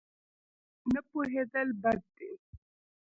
نه پوهېدل بد دی.